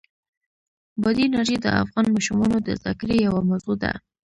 بادي انرژي د افغان ماشومانو د زده کړې یوه موضوع ده.